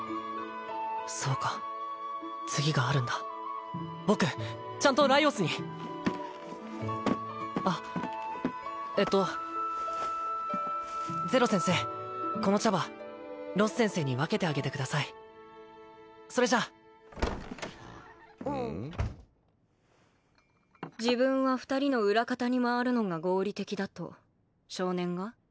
そうか次があるんだ僕ちゃんとライオスにあっえっとゼロ先生この茶葉ロス先生に分けてあげてくださいそれじゃあうん？自分は２人の裏方に回るのが合理的だと少年が？